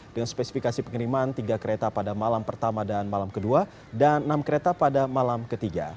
dengan spesifikasi pengiriman tiga kereta pada malam pertama dan malam kedua dan enam kereta pada malam ketiga